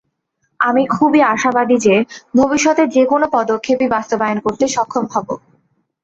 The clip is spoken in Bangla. আমি খুবই আশাবাদী যে, ভবিষ্যতে যেকোনো পদক্ষেপই বাস্তবায়ন করতে সক্ষম হব।